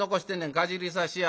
かじりさしや。